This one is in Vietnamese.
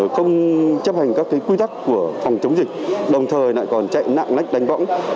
không chấp hành các quy tắc của phòng chống dịch đồng thời lại còn chạy nạng lách đánh bóng